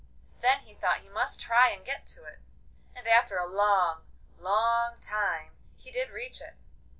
Then he thought he must try and get to it, and after a long, long time he did reach it.